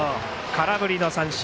空振り三振。